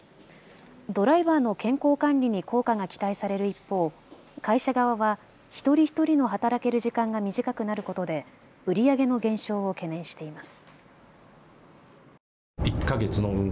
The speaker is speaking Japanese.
ドライバーの健康管理に効果が期待される一方、会社側は一人一人の働ける時間が短くなることで売り上げの減少を懸念しています。